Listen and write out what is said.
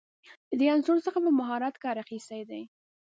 له دې عنصر څخه په مهارت کار اخیستی دی.